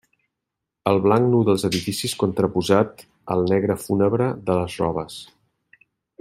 El blanc nu dels edificis contraposat al negre fúnebre de les robes.